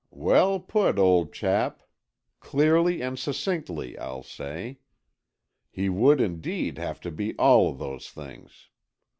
"Well put, old chap. Clearly and succinctly, I'll say. He would, indeed, have to be all those things.